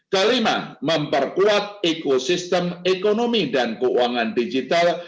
kelima memperkuat ekosistem ekonomi dan keuangan digital